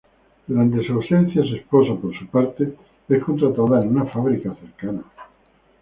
Durante su ausencia, su esposa, por su parte, es contratada en una fábrica cercana.